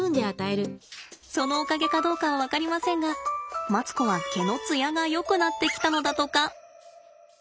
そのおかげかどうかは分かりませんがマツコは毛のつやがよくなってきたのだとか。